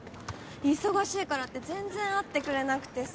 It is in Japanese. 忙しいからって全然会ってくれなくてさ。